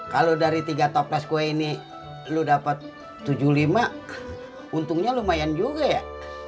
kalau dari tiga topless kue ini lu dapat tujuh puluh lima untungnya lumayan juga ya